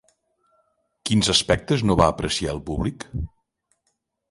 Quins aspectes no va apreciar el públic?